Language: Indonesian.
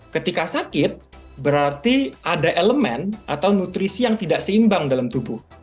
ketika sakit berarti ada elemen atau nutrisi yang tidak seimbang dalam tubuh